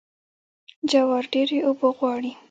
جوار ډیرې اوبه غواړي.